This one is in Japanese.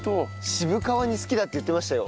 渋皮煮好きだって言ってましたよ